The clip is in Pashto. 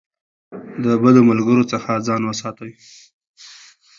د بدو ملګرو څخه ځان وساتئ.